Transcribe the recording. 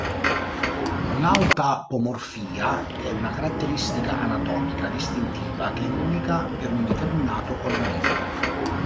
Un'autapomorfia è una caratteristica anatomica distintiva che è unica per un determinato organismo.